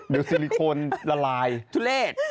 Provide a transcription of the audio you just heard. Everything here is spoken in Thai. เดี๋ยวซิลิโคนละลายทุเลศ